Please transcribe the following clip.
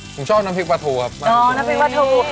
ผมชอบน้ำพริกปลาทูครับอ๋อน้ำพริกปลาทู